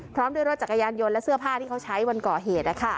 พร้อมด้วยรถจักรยานยนต์และเสื้อผ้าที่เขาใช้วันก่อเหตุ